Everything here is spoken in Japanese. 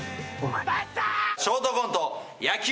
ショートコント野球。